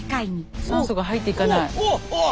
酸素が入っていかない。